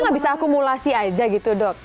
kita gak bisa akumulasi aja gitu dok